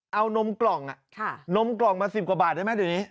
เอานมกล่องอ่ะนมกล่องมาสิบกว่าบาทได้ไหมดี